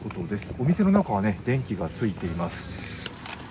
お店の中は電気が付いています。